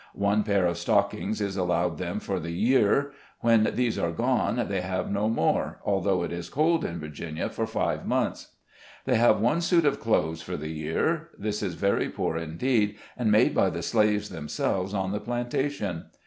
One pair of stockings is allowed them for the year; when these are gone, they have no more, although it is cold in Virginia for five months. They have one suit of clothes for the year. This is very poor indeed, and made by the slaves themselves on the plantation.